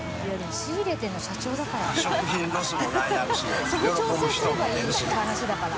そこ調整すればいい話だから。